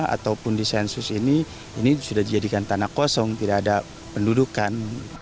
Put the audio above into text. ataupun di sensus ini ini sudah dijadikan tanah kosong tidak ada pendudukan